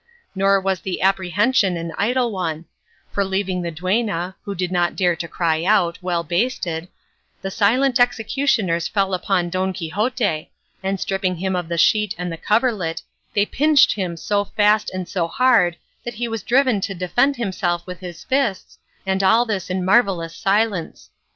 Nor was the apprehension an idle one; one; for leaving the duenna (who did not dare to cry out) well basted, the silent executioners fell upon Don Quixote, and stripping him of the sheet and the coverlet, they pinched him so fast and so hard that he was driven to defend himself with his fists, and all this in marvellous silence.